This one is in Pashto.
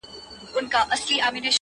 دا درې جامونـه پـه واوښـتـل